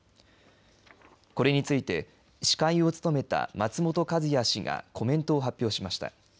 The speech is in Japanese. これについて、司会を務めた松本和也氏がコメントしました